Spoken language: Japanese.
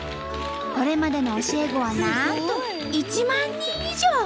これまでの教え子はなんと１万人以上！